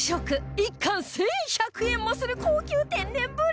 １貫１１００円もする高級天然ぶり